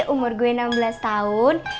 umur gue enam belas tahun